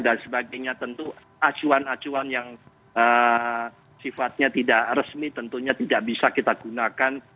dan sebagainya tentu acuan acuan yang sifatnya tidak resmi tentunya tidak bisa kita gunakan